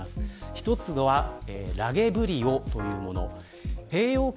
１つはラゲブリオというもの。